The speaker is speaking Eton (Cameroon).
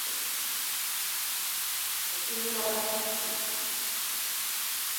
Me ti i llong nda